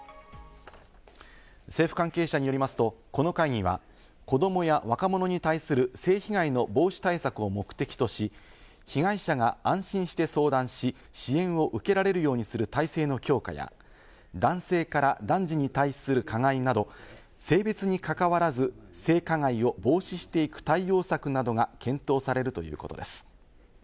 政府関係者によりますと、この会議は子どもや若者に対する性被害の防止対策を目的とし、被害者が安心して相談し、支援を受けられるようにする体制の強化や、男性から男児に対する加害など性別に関わらず性加害を防止していく対応策などが検討されるということです。